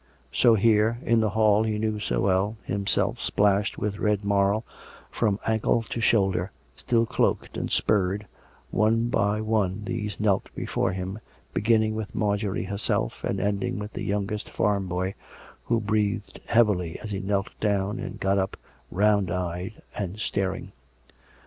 So here, in the hall he knew so well, himself splashed with red marl from ankle to shoulder, still cloaked and spurred, one by one these knelt before him, beginning with Marjorie herself, and ending with the youngest farm boy, who breathed heavily as he knelt down and got up round eyed and staring.